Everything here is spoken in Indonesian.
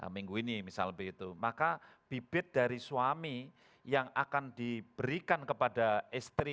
minggu ini misal begitu maka bibit dari suami yang akan diberikan kepada istri